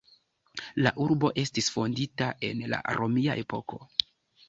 La urbo estis fondita en la romia epoko.